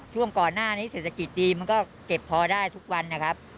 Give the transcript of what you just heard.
ช่วงก่อนหน้านี้เศรษฐกิจดีมันก็เก็บพอได้ทุกวันนะครับ